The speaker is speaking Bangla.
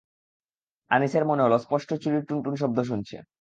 আনিসের মনে হলো স্পষ্ট চুড়ির টুনটুন শব্দ শুনছে।